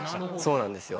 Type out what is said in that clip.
そうなんですよ。